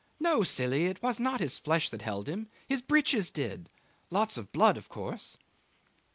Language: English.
'No, silly! It was not his flesh that held him his breeches did. Lots of blood, of course.